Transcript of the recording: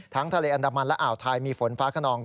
ทะเลอันดามันและอ่าวไทยมีฝนฟ้าขนอง